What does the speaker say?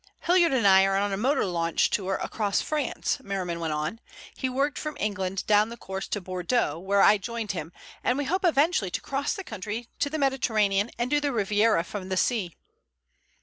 "Hilliard and I are on a motor launch tour across France," Merriman went on. "He worked from England down the coast to Bordeaux, where I joined him, and we hope eventually to cross the country to the Mediterranean and do the Riviera from the sea."